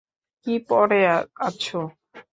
কী পরে আছ?